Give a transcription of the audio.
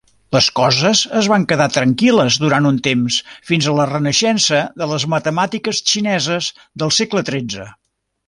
Les coses es van quedar tranquil·les durant un temps fins a la renaixença de les matemàtiques xineses del segle XIII.